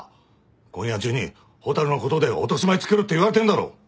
今夜中に蛍のことで落としまえつけろって言われてんだろ！